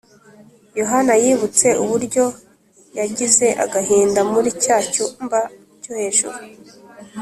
yohana yibutse uburyo yagize agahinda muri cya cyumba cyo hejuru